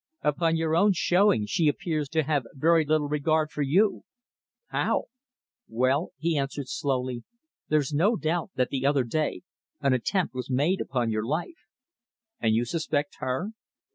"Upon your own showing she appears to have very little regard for you." "How?" "Well," he answered slowly, "there's no doubt that the other day an attempt was made upon your life." "And you suspect her?"